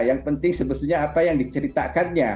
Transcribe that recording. yang penting sebetulnya apa yang diceritakannya